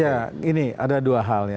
ya ini ada dua hal ya